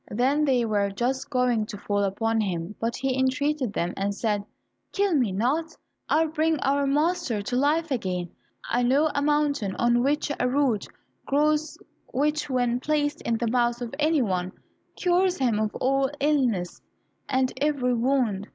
Then they were just going to fall upon him, but he entreated them and said, "Kill me not, I will bring our master to life again. I know a mountain on which a root grows which, when placed in the mouth of any one, cures him of all illness and every wound.